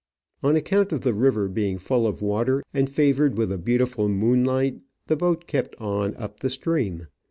On account of the river being full of water, and favoured with a beautiful moonlight, the boat kept on up the stream.